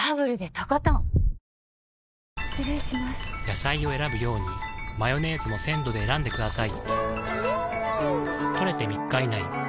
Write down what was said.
野菜を選ぶようにマヨネーズも鮮度で選んでくださいん！